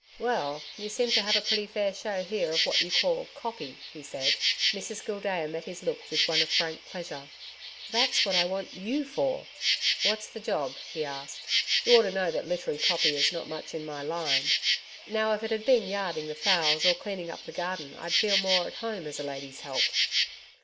'Well you seem to have a pretty fair show here of what you call "copy,"' he said. Mrs Gildea met his look with one of frank pleasure. 'That's what I want YOU for.' 'What's the job?' he asked. 'You ought to know that literary "copy" is not much in my line. Now if it had been yarding the fowls or cleaning up the garden, I'd feel more at home as a lady's help.'